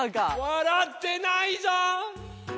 ・わらってないぞ。